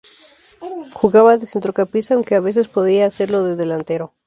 Jugaba de centrocampista, aunque a veces podía hacerlo de delantero.